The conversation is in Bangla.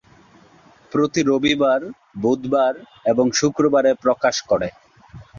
প্রতি রবিবার, বুধবার এবং শুক্রবারে প্রকাশ করে।